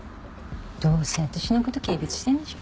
どうせ私の事軽蔑してるんでしょ？